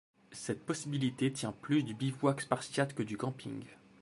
Cette possibilité tient plus du bivouac spartiate que du camping.